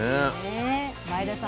前田さん